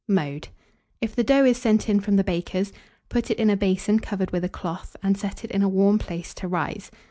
Mode. If the dough is sent in from the baker's, put it in a basin covered with a cloth, and set it in a warm place to rise.